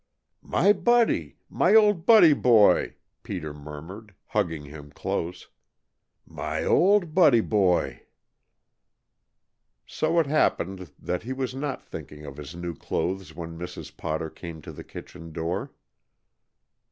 "My Buddy! My old Buddy boy!" Peter murmured, hugging him close. "My old Buddy boy!" So it happened that he was not thinking of his new clothes when Mrs. Potter came to the kitchen door.